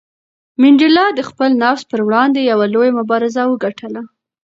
منډېلا د خپل نفس پر وړاندې یوه لویه مبارزه وګټله.